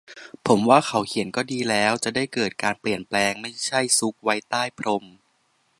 ผมว่าเขาเขียนก็ดีแล้ว จะได้เกิดการเปลี่ยนแปลง ไม่ใช่ซุกไว้ใต้พรม